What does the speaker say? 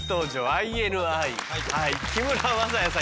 ＩＮＩの木村柾哉です。